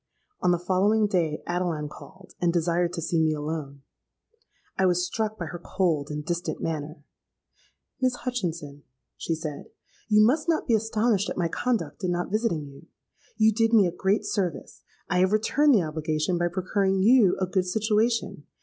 On the following day Adeline called, and desired to see me alone. I was struck by her cold and distant manner. 'Miss Hutchinson,' she said, 'you must not be astonished at my conduct in not visiting you. You did me a great service: I have returned the obligation by procuring you a good situation.